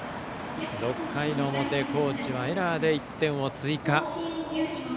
６回の表、高知はエラーで１点を追加。